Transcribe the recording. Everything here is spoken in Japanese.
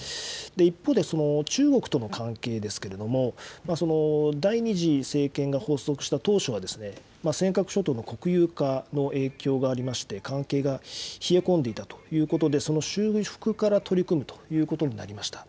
一方で、その中国との関係ですけれども、第２次政権が発足した当初は、尖閣諸島の国有化の影響がありまして、関係が冷え込んでいたということで、その修復から取り組むということになりました。